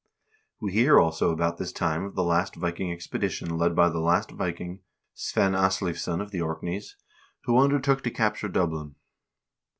We hear also about this time of the last Viking expedition led by the last Viking, Svein Asleivsson of the Orkneys, who undertook to capture Dublin.